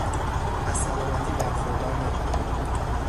از سلامتی برخوردار نبودن